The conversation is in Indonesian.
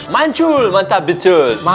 mancul mantap betul